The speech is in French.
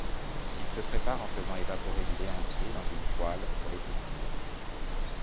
Il se prépare en faisant évaporer du lait entier dans une poêle pour l'épaissir.